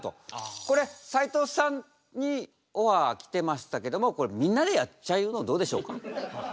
これ斉藤さんにオファー来てましたけどもこれみんなでやっちゃうのどうでしょうか？